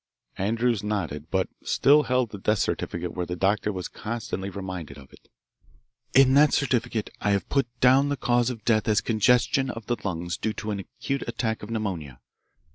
Andrews nodded, but still held the death certificate where the doctor was constantly reminded of it. "In that certificate I have put down the cause of death as congestion of the lungs due to an acute attack of pneumonia.